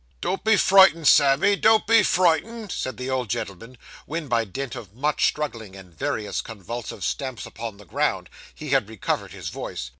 'Don't be frightened, Sammy, don't be frightened,' said the old gentleman, when by dint of much struggling, and various convulsive stamps upon the ground, he had recovered his voice.